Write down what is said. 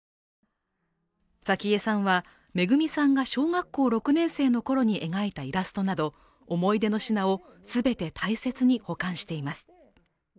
早紀江さんはめぐみさんが小学校６年生の頃に描いたイラストなど思い出の品を全て大切に保管しています